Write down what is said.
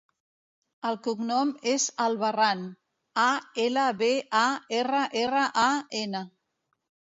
El cognom és Albarran: a, ela, be, a, erra, erra, a, ena.